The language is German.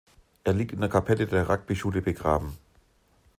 Er liegt in der Kapelle der Rugby-Schule begraben.